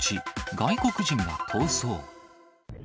外国人が逃走。